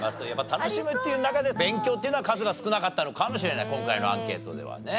楽しむっていう中で勉強っていうのは数が少なかったのかもしれない今回のアンケートではね。